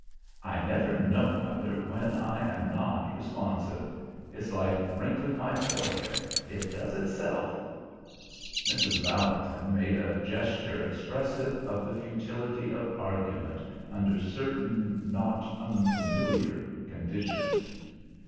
"I never know, mother, when I am not responsive. It's like wrinkling my forehead; it does itself." Mrs. Valentin made a gesture expressive of the futility of argument under certain not unfamiliar conditions.